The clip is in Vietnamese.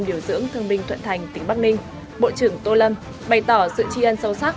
điều dưỡng thương binh thuận thành tỉnh bắc ninh bộ trưởng tô lâm bày tỏ sự tri ân sâu sắc